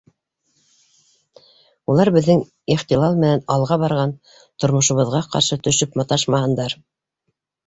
Улар беҙҙең ихтилал менән алға барған тормошобоҙға ҡаршы төшөп маташмаһындар.